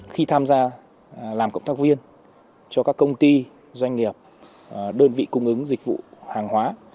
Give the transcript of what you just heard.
khi tham gia làm cộng tác viên cho các công ty doanh nghiệp đơn vị cung ứng dịch vụ hàng hóa